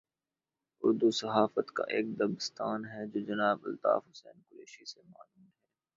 اردو صحافت کا ایک دبستان ہے جو جناب الطاف حسن قریشی سے معنون ہے۔